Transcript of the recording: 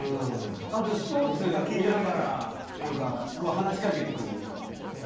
あと、スポーツを見ながら話しかけてくるやつでしょ。